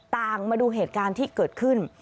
มาดูเหตุการณ์ที่เกิดขึ้น